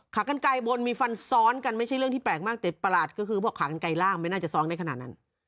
กันไกลบนมีฟันซ้อนกันไม่ใช่เรื่องที่แปลกมากแต่ประหลาดก็คือพวกขากันไกลร่างไม่น่าจะซ้อนได้ขนาดนั้น